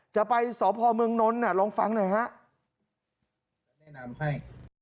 จะไปสปเมืองน้นลองฟังหน่อย